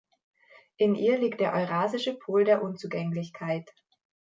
In ihr liegt der Eurasische Pol der Unzugänglichkeit.